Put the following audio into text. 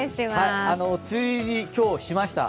梅雨入り、今日しました。